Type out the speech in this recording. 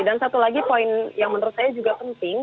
dan satu lagi poin yang menurut saya juga penting